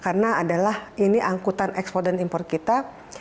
karena ini adalah angkutan ekspor dan import kita